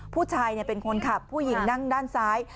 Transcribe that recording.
ผู้ชายเป็นคนขับผู้หญิงนั่งด้านซ้าย